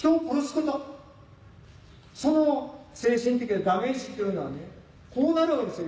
その精神的なダメージっていうのはねこうなるわけですよ